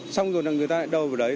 xong rồi người ta lại đâu vào đấy